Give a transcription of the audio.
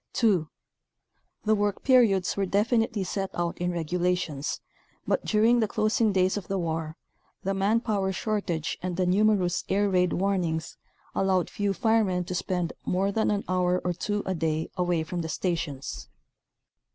(2) The work periods were definitely set out in regulations, but, during the closing days of the war, the man power shortage and the nu merous air raid warnings allowed few firemen to spend more than an hour or two a day away from the stations.